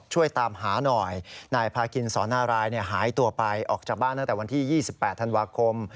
ช่วยตามหาหน่อยนายพาคินสอนารายหายตัวไปออกจากบ้านตั้งแต่วันที่๒๘ธันวาคม